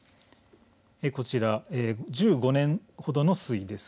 こちら１５年ほどの推移です。